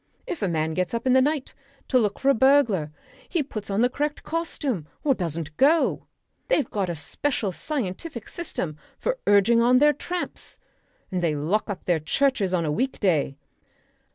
If a man gets up in the night to look for a burglar he puts on the correct costume or doesn't go. They've got a special scientific system for urging on their tramps. And they lock up their churches on a week day.